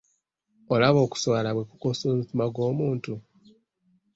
Olaba okuswala bwe kukosa omutima gw'omuntu?